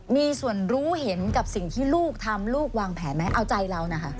มีส่วนรู้เห็นกับสิ่งที่ลูกทำลูกวางแผนไหมเอาใจเรานะคะ